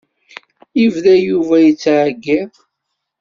Yebda Yuba yettɛeyyiḍ.